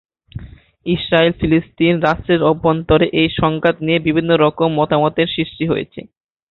Israel ও ফিলিস্তিন রাষ্ট্রের অভ্যন্তরে এই সংঘাত নিয়ে বিভিন্ন রকম মতামতের সৃষ্টি হয়েছে।